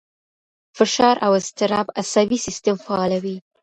فشار او اضطراب عصبي سیستم فعالوي.